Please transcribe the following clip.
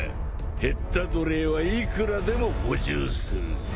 減った奴隷はいくらでも補充する。